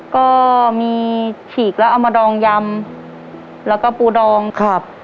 ก็มีฉีกแล้วเอามาดองยำแล้วก็ปูดองครับ